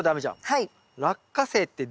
はい。